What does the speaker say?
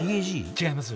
違います。